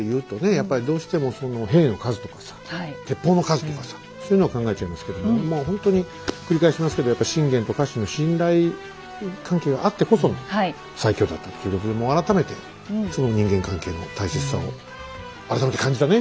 やっぱりどうしても兵の数とかさ鉄砲の数とかさそういうのを考えちゃいますけどまあほんとに繰り返しますけどやっぱ信玄と家臣の信頼関係があってこその最強だったということでもう改めて人間関係の大切さを改めて感じたね。